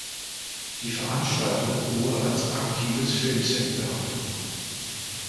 Die Veranstaltung wurde als aktives Filmset behandelt.